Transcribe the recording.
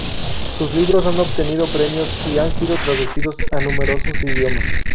Sus libros han obtenido premios y han sido traducidos a numerosos idiomas.